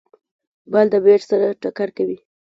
بال د بېټ سره ټکر کوي.